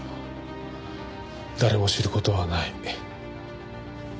誰も知る事はない。